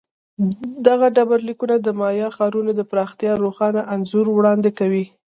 دغه ډبرلیکونه د مایا ښارونو پراختیا روښانه انځور وړاندې کوي